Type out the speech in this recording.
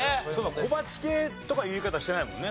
小鉢系とかいう言い方してないもんね。